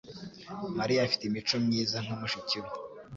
Mariya afite imico myiza nka mushiki we.